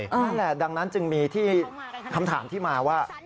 นั่นแหละดังนั้นจึงมีที่คำถามที่มาว่า